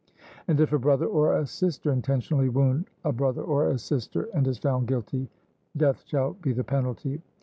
And if a brother or a sister intentionally wound a brother or a sister, and is found guilty, death shall be the penalty.